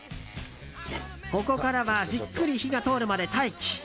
ここからはじっくり火が通るまで待機。